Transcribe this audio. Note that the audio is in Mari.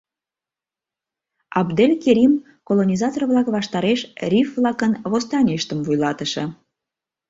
Абдэль Керим — колонизатор-влак ваштареш риф-влакын восстанийыштым вуйлатыше.